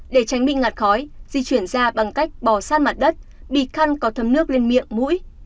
để tránh bị ngạt khói di chuyển ra bằng cách bỏ sát mặt đất bịt khăn có thấm nước lên miệng mũi